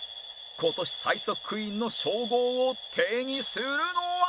今年最速クイーンの称号を手にするのは？